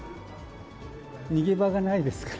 逃げ場がないですから。